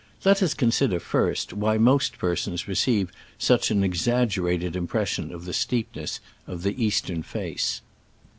Let us consider, first, why most persons receive such an exaggerated impression of the steepness of the eastern face.